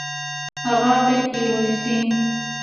هغه غیږ کې ونیسئ.